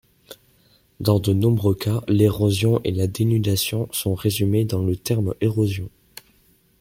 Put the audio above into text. Dans de nombreux cas, l'érosion et la dénudation sont résumées dans le terme érosion.